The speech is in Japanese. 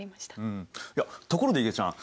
ところでいげちゃん